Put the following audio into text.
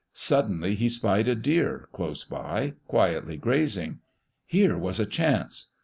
Suddenly lie spied a deer, close by, quietly grazing. Here was a chance